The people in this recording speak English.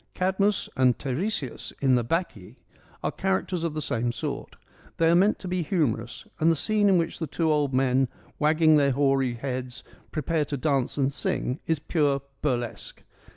Cadmus and Teiresias in the Bacchae are characters of the same sort. They are meant to be humorous, and the scene in which the two old men, wagging their hoary heads, prepare to dance and sing is pure burlesque.